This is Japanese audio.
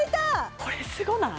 これすごない？